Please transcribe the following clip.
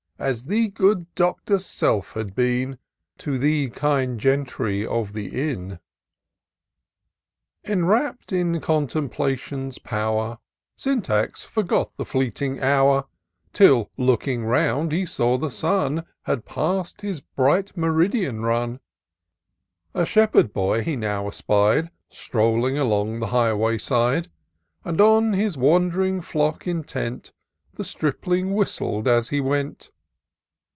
As the good Doctor's self had been To the kind gentry of the inn. L 74 TOUR OF DOCTOR SYNTAX Enrapt'd in contemplation's pow'r, Syntax forgot the fleeting hour ; Till looking round, he saw the sun Had past his bright meridian run. A shepherd boy he now espied, Strolling along the highway side ; And, on his wand'ring flock intent, The stripling whistled as he went.